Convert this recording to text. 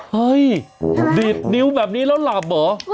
เฮ้ยดีดนิ้วแบบนี้แล้วหลับเหรอ